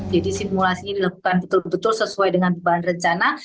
jadi simulasi ini dilakukan betul betul sesuai dengan bahan rencana